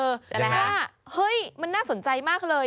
เห็นไหมฮะเห้ยมันน่าสนใจมากเลย